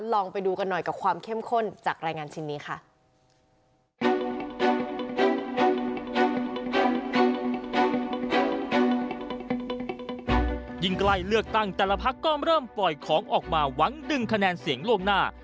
ลองไปดูกันหน่อยกับความเข้มข้นจากรายงานชิ้นนี้ค่ะ